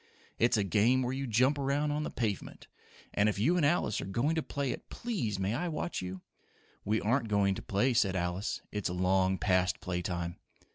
"It's a game where you jump around on the pavement, and if you and Alice are going to play it, please may I watch you?" "We aren't going to play," said Alice. "It's long past play time."